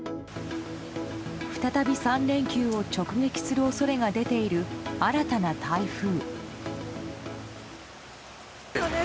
再び３連休を直撃する恐れが出ている新たな台風。